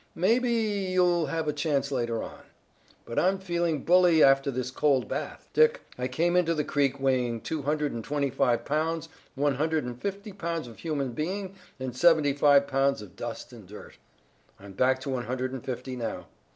"Maybe you'll have a chance later on. But I'm feeling bully after this cold bath. Dick, I came into the creek weighing two hundred and twenty five pounds, one hundred and fifty pounds of human being and seventy five pounds of dust and dirt. I'm back to one hundred and fifty now.